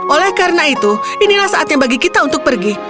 oleh karena itu inilah saatnya bagi kita untuk pergi